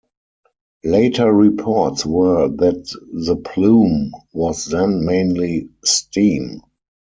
Later reports were that the plume was then mainly steam.